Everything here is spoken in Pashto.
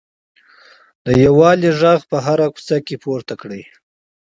د یووالي غږ په هره کوڅه کې پورته کړئ.